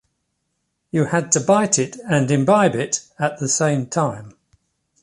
You had to bite it and imbibe it at the same time.